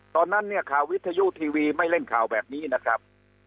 ตอนนั้นเนี่ยข่าววิทยุทีวีไม่เล่นข่าวแบบนี้นะครับ